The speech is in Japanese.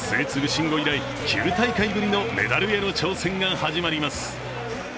慎吾以来、９大会ぶりのメダルへの挑戦が始まります。